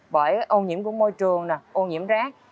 bởi ô nhiễm của môi trường ô nhiễm rác